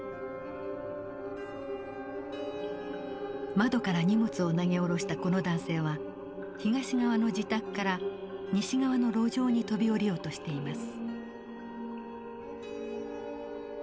窓から荷物を投げ下ろしたこの男性は東側の自宅から西側の路上に飛び降りようとしています。